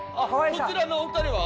こちらのお二人は？